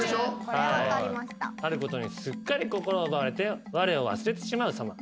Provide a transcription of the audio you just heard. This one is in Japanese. あることにすっかり心を奪われてわれを忘れてしまうさま。